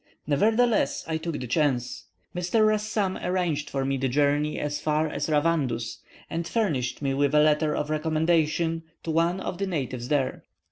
Nevertheless I took the chance. Mr. Rassam arranged for me the journey as far as Ravandus, and furnished me with a letter of recommendation to one of the natives there.